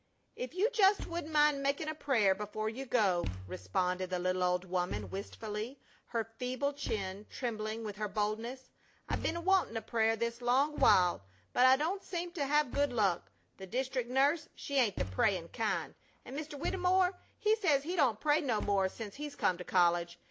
"If you just wouldn't mind makin' a prayer before you go," responded the little old woman, wistfully, her feeble chin trembling with her boldness. "I be'n wantin' a prayer this long while, but I don't seem to have good luck. The distric' nurse, she ain't the prayin' kind; an' Mr. Widymer he says he don't pray no more since he's come to college.